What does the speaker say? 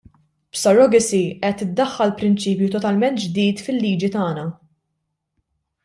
B'surrogacy qed iddaħħal prinċipju totalment ġdid fil-liġi tagħna.